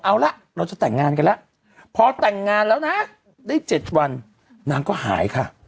เอาละเราจะแต่งงานกันแล้วพอแต่งงานแล้วนะได้๗วันนางก็หายค่ะ